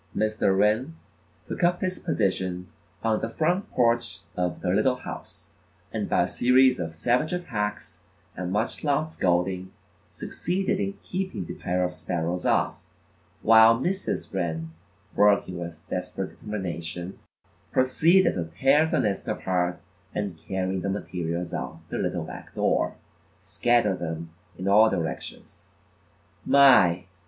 Mr. Wren took up his position on the front porch of the little house, and by a series of savage attacks and much loud scolding, succeeded in keeping the pair of sparrows off, while Mrs. Wren, working with desperate determination, proceeded to tear the nest apart and carrying the materials out the little back door, scattered them in all directions. My!